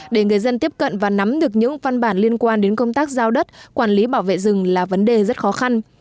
để người dân tiếp cận và nắm được những văn bản liên quan đến công tác giao đất quản lý bảo vệ rừng là vấn đề rất khó khăn